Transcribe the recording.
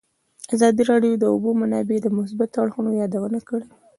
ازادي راډیو د د اوبو منابع د مثبتو اړخونو یادونه کړې.